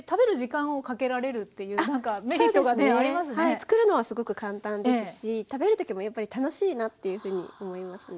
作るのはすごく簡単ですし食べるときもやっぱり楽しいなっていうふうに思いますね。